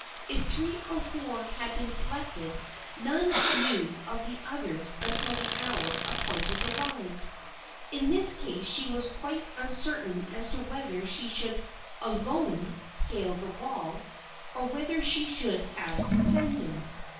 If three or four had been selected none knew of the others until the hour appointed arrived. In this case she was quite un certain as to whether she should alone " scale the wall" or whether she should have companions.